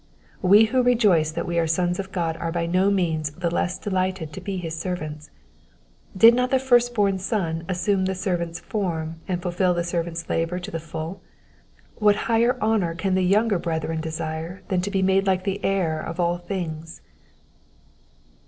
We who rejoice that we are sons of God are by no means the less delighted to be his servants. Did not the firstborn Son assume the servant's form and fulfil the servant's labour to the full? What higher honour can the younger brethren desire than to be made like the Heir of all things